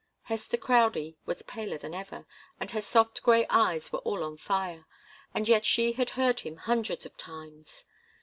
Hester Crowdie was paler than ever, and her soft grey eyes were all on fire. And yet she had heard him hundreds of times.